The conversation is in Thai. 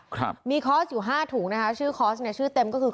ครับมีคอร์สอยู่ห้าถุงนะคะชื่อคอร์สเนี่ยชื่อเต็มก็คือ